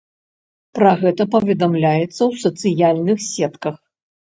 Пра гэта паведамляецца ў сацыяльных сетках.